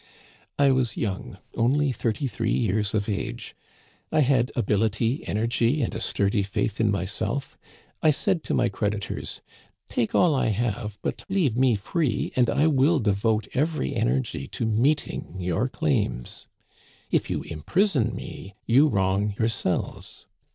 " I was young, only thirty three years of age. I had ability, energy, and a sturdy faith in myself. I said to Digitized by VjOOQIC THE GOOD gentleman:' 149 my creditors, take all I have but leave me free, and I will devote every energy to meeting your claims. If you imprison me you wrong yourselves.